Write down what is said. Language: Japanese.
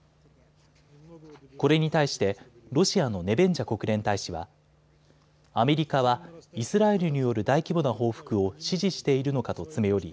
これに対してロシアのネベンジャ国連大使はアメリカはイスラエルによる大規模な報復を支持しているのかと詰め寄り